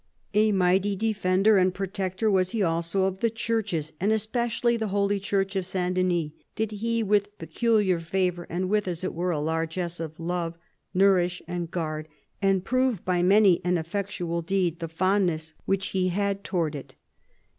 A mighty defender and protector was he also of the churches, and specially the holy church of S. Denys did he, with peculiar favour and with, as it were, a largess of love, nourish and guard, and prove by many an effectual deed the fondness which he had towards it.